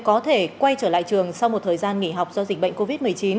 có thể quay trở lại trường sau một thời gian nghỉ học do dịch bệnh covid một mươi chín